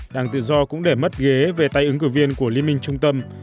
đảng tự do cũng để mất ghế về tay ứng cử viên của liên minh trung tâm